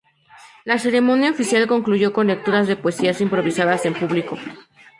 La ceremonia oficial concluyó con lecturas de poesías improvisadas en público.